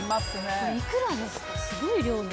すごい量。